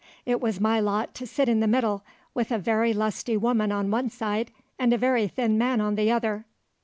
It was my lot to sit in the middle with a very lusty woman on one side, and a very thin man on the other.